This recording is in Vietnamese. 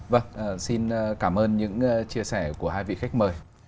vâng xin cảm ơn những chia sẻ của hai vị khách mời